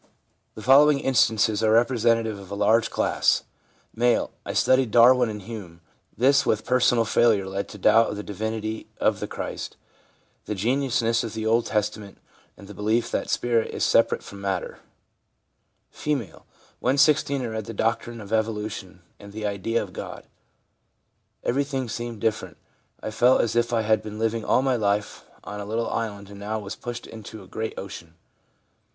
The following instances are representative of a large class : M. ' I studied Darwin and Hume ; this with personal failure led to doubt of the divinity of Christ, the genuineness of the Old Testament, and the belief that spirit is separate from matter/ F. 'When 16 I read the doctrine of evolution and the "The Idea of God." Everything seemed different ; I felt as if I had been living all my life on a little island and now was pushed off into a great ocean.